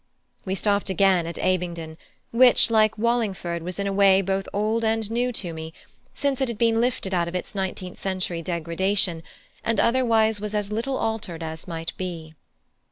We stopped again at Abingdon, which, like Wallingford, was in a way both old and new to me, since it had been lifted out of its nineteenth century degradation, and otherwise was as little altered as might be.